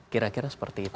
kira kira seperti itu